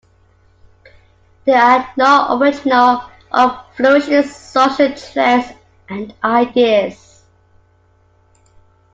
There are no original or flourishing social trends and ideas.